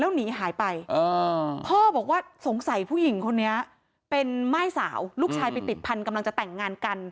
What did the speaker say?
แล้วหนีหายไปพ่อบอกว่าสงสัยผู้หญิงคนนี้เป็นม่ายสาวลูกชายไปติดพันธุ์กำลังจะแต่งงานกัน